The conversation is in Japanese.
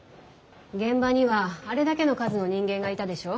現場にはあれだけの数の人間がいたでしょ。